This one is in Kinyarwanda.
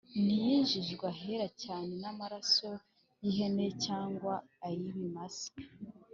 ntiyinjijwe Ahera cyane n'amaraso y'ihene cyangwa ay'ib'imasa,